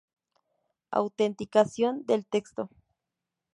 Autenticación del texto.